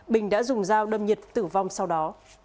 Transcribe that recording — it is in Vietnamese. bình đã dùng dao đâm nhật tử vong sau đó